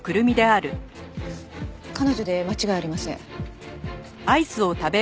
彼女で間違いありません。